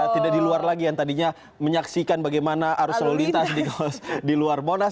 tidak di luar lagi yang tadinya menyaksikan bagaimana arus lalu lintas di luar monas